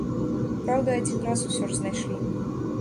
Праўда, адзін раз усё ж знайшлі.